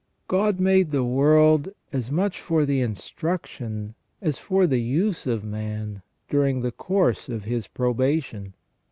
God made the world as much for the instruction as for the use of man during the course of his probation.